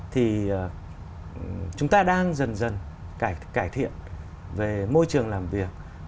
thì chúng ta đang dần dần cải thiện về môi trường làm việc